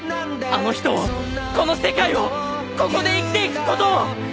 あの人をこの世界をここで生きていく事を！